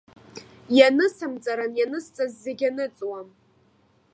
Ианысымҵаран ианысҵаз зегь аныҵуам.